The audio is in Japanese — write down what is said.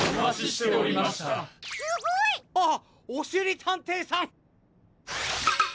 すごい！・あっおしりたんていさん！